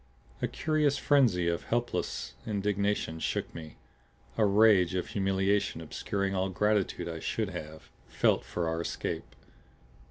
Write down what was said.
A curious frenzy of helpless indignation shook me, a rage of humiliation obscuring all gratitude I should have felt for our escape.